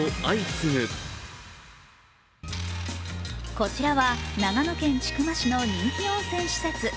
こちらは長野県千曲市の人気温泉施設。